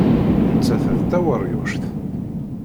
Nettat d taweryuct.